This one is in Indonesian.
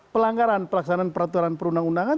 pelanggaran pelaksanaan peraturan perundang undangan